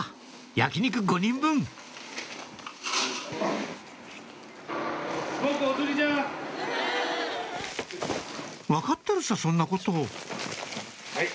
焼き肉５人分「分かってるさそんなこと」